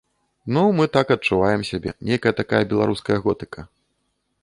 Ну, мы так адчуваем сябе, нейкая такая беларуская готыка.